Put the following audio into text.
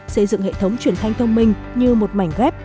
xây dựng hệ thống truyền thanh thông minh như một mảnh ghép